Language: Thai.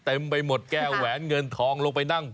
เต็มไปหมดแก้แหวนเงินทองลงไปนั่ง